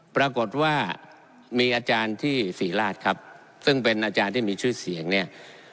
ปรากฏว่ามีอาจารย์ที่ศรีราชครับซึ่งเป็นอาจารย์ที่มีชื่อเสียงเนี่ย